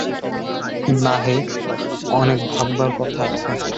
না হে, অনেক ভাববার কথা আছে।